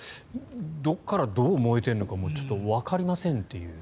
どこからどう燃えているのかもちょっとわかりませんという。